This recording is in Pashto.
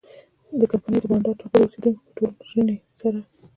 د کمپنۍ د بانډا ټاپو د اوسېدونکو په ټولوژنې سره.